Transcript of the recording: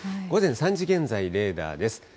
午前３時現在、レーダーです。